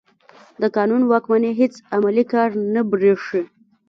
د قانون واکمني هېڅ عملي کار نه برېښي.